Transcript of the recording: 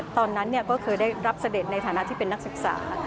ตอนนั้นก็เคยได้รับเสด็จในฐานะที่เป็นนักศึกษา